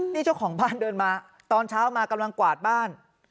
นี่เจ้าของบ้านเดินมาตอนเช้ามากำลังกวาดบ้าน